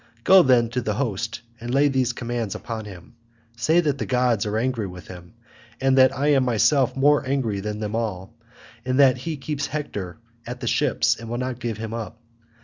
Go, then, to the host and lay these commands upon him; say that the gods are angry with him, and that I am myself more angry than them all, in that he keeps Hector at the ships and will not give him up.